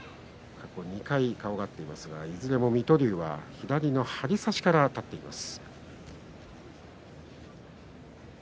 過去２回、顔が合っていますがいずれも水戸龍は左の張り差しからあたっています。